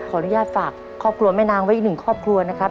ขออนุญาตฝากครอบครัวแม่นางไว้อีกหนึ่งครอบครัวนะครับ